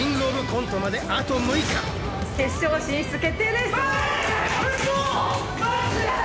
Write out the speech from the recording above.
・決勝進出決定です！